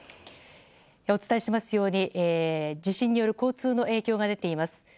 お伝えしていますように地震による交通の影響が出ています。